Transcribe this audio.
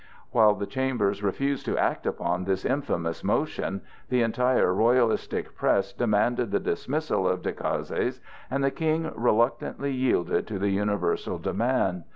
While the Chambers refused to act upon this infamous motion, the entire Royalistic press demanded the dismissal of Decazes, and the King reluctantly yielded to the universal demand.